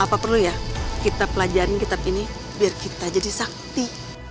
apa perlu ya kita pelajarin kitab ini biar kita jadi sakti